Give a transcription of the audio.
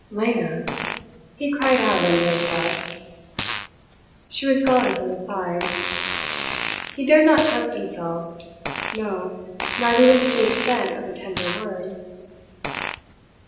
"Lena!" he cried out under his breath. She was gone from his side. He dared not trust himself no, not even to the extent of a tender word.